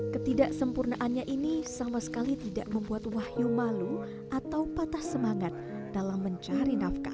ketidaksempurnaannya ini sama sekali tidak membuat wahyu malu atau patah semangat dalam mencari nafkah